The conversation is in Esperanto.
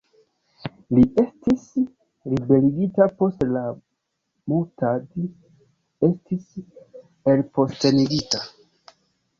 Li estis liberigita post al-Muhtadi estis elpostenigita.